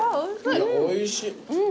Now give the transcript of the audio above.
おいしい。